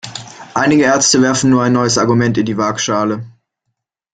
Einige Ärzte werfen nun ein neues Argument in die Waagschale.